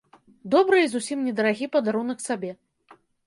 Добры і зусім не дарагі падарунак сабе.